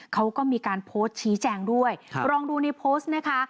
เขาก็มีการโพสต์ชี้แจงด้วยลองดูในโพสต์นะคะ